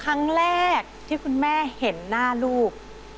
ครั้งแรกที่คุณแม่เห็นหน้าลูก